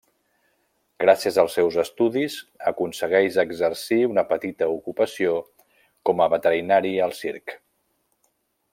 Gràcies als seus estudis aconsegueix exercir una petita ocupació com a veterinari al circ.